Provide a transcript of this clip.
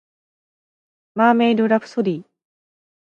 マーメイドラプソディ